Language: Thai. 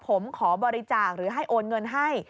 ผมขอบริจาคหรือให้โอนเงินให้